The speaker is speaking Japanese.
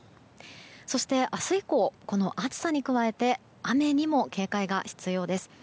そして、明日以降この暑さに加えて雨にも警戒が必要です。